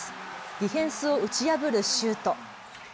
ディフェンスを打ち破るシュート。